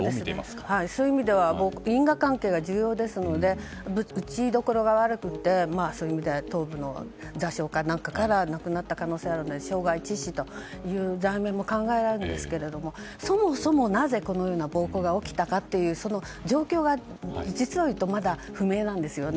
そういう意味では因果関係が重要ですので打ち所が悪くて頭部の挫傷か何かから亡くなった可能性があるので傷害致死という罪名も考えられますがそもそもなぜこのような暴行が起きたのか実を言うとまだ不明なんです。